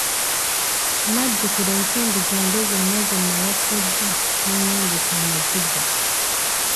Nnajjukira ensimbi zange zonna ze nawa kkojja ne nnyunguka amaziga.